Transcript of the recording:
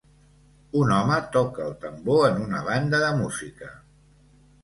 Un home toca el tambor en una banda de música.